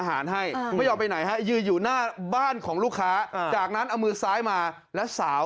สะไหล่นอนอยู่หน้าบ้านของลูกค้าต่อหน้าต่อตาลูกค้า